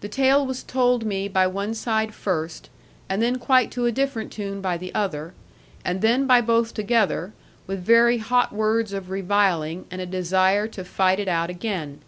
The tale was told me by one side first; and then quite to a different tune by the other; and then by both together, with very hot words of reviling, and a desire to fight it out again.